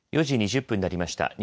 ４時２０分になりました。